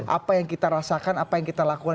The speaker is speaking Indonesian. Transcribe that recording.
apa yang kita rasakan apa yang kita lakukan